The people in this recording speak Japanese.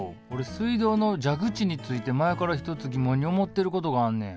水道の蛇口について前から１つ疑問に思ってることがあんねん。